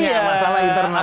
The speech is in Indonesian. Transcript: iya masalah internal